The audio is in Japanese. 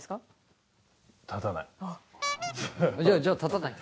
じゃあ立たないと。